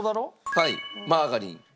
はいマーガリン。